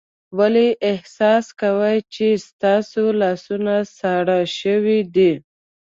ولې احساس کوئ چې ستاسو لاسونه ساړه شوي دي؟